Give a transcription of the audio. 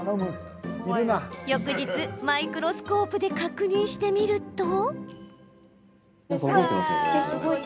翌日、マイクロスコープで確認してみると。